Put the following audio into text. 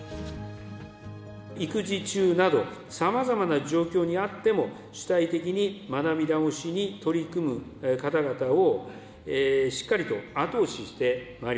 育児中など、さまざま状況にあっても、主体的に学び直しに取り組む方々をしっかりと後押ししてまいり